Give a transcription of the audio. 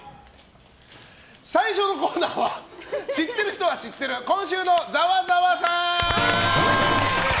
最初のコーナーは知ってる人は知っている今週のざわざわさん。